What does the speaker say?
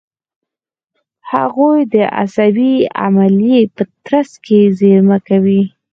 هغوی د دې عملیې په ترڅ کې زېرمه کوي.